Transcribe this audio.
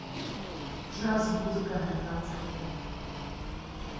Джаз музыкаһы концерты